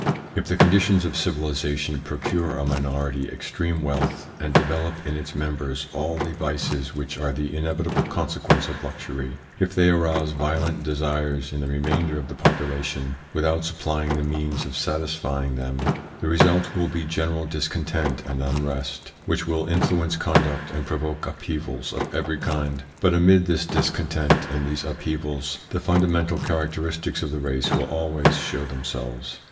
If the conditions of civilisation procure a minority extreme wealth and develop in its members all the vices which are the inevitable consequence of luxury ; if they arouse violent desires in the remainder of the population without supplying the means of satisfying them, the result will be general discontent and unrest, which will influence conduct and provoke upheavals of every kind, but amid this discontent and these upheavals the fundamental characteristics of the race will always show themselves.